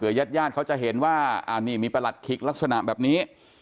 ญาติญาติเขาจะเห็นว่าอันนี้มีประหลัดขิกลักษณะแบบนี้